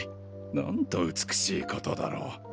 なんと美しいことだろう。